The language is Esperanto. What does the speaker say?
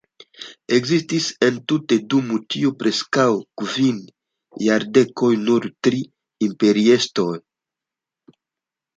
Ekzistis entute dum tiuj preskaŭ kvin jardekoj nur tri imperiestroj.